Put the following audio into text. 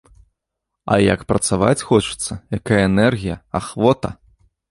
А як працаваць хочацца, якая энергія, ахвота!